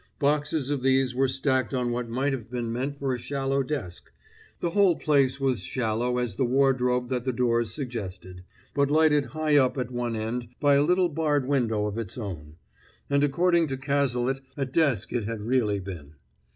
Boxes of these were stacked on what might have been meant for a shallow desk (the whole place was shallow as the wardrobe that the doors suggested, but lighted high up at one end by a little barred window of its own) and according to Cazalet a desk it had really been.